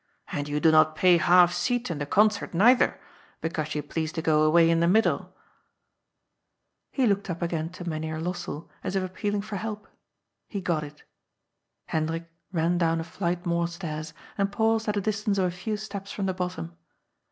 And you do not pay half seat in the concert neither, because you please to go away in the middle." He looked up again to Mynheer Lossell as if appealing for help. He got it. Hendrik ran down a fiight more stairs, and paused at a distance of a few steps from the bottom.